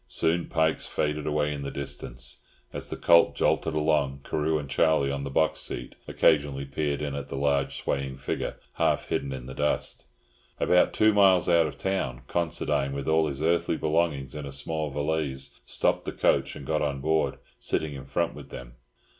Soon Pike's faded away in the distance. As the coach jolted along, Carew and Charlie on the box seat occasionally peered in at the large swaying figure, half hidden in the dust. About two miles out of town Considine, with all his earthly belongings in a small valise, stopped the coach and got on board, sitting in front with them.